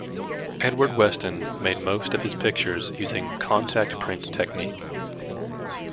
Edward Weston made most of his pictures using contact print technique.